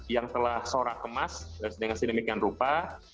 yang telah sora kemas dengan sinemik yang rupa